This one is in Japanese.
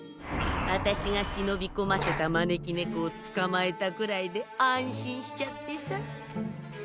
あたしがしのびこませた招き猫をつかまえたくらいで安心しちゃってさ。